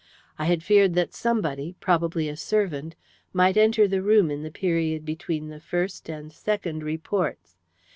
I had feared that somebody, probably a servant, might enter the room in the period between the first and second reports.